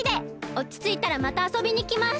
おちついたらまたあそびにきます！